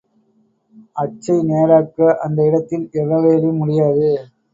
அச்சை நேராக்க, அந்த இடத்தில் எவ்வகையிலும் முடியாது.